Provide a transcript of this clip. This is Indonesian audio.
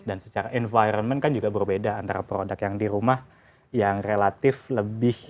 dan secara environment kan juga berbeda antara produk yang di rumah yang relatif lebih